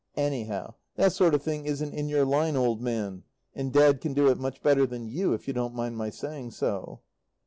Anyhow that sort of thing isn't in your line, old man, and Dad can do it much better than you, if you don't mind my saying so.